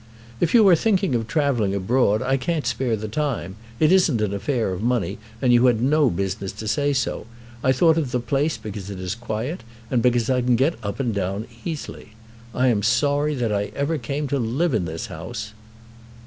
"If you are thinking of travelling abroad, I can't spare the time. It isn't an affair of money, and you had no business to say so. I thought of the place because it is quiet and because I can get up and down easily. I am sorry that I ever came to live in this house."